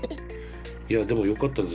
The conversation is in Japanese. いやでもよかったです。